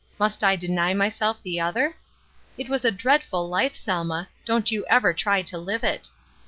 Must I deny myself the other?' It was a dreadful life, Selma; don't you ever try to live it.